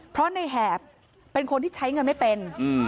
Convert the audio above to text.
เพราะในแหบเป็นคนที่ใช้เงินไม่เป็น